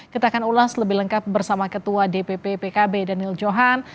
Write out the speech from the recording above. kita akan ulas lebih lengkap bersama ketua dpp pkb daniel johan